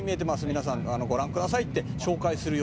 “皆さんご覧ください”って紹介するような」